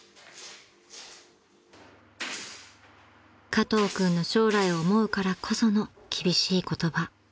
［加藤君の将来を思うからこその厳しい言葉］